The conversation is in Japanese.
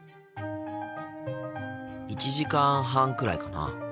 １時間半くらいかな。